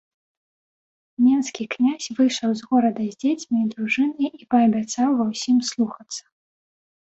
Менскі князь выйшаў з горада з дзецьмі і дружынай і паабяцаў ва ўсім слухацца.